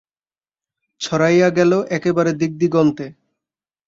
ছড়াইয়া গেল একেবারে দিগদিগন্তে।